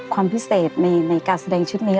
ความพิเศษในการแสดงชุดนี้